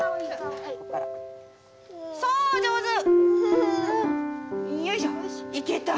そう上手！